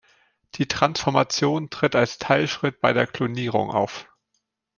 Die Transformation tritt als Teilschritt bei der Klonierung auf.